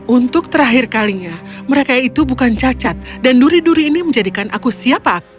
untuk terakhir kalinya mereka itu bukan cacat dan duri duri ini menjadikan aku siapa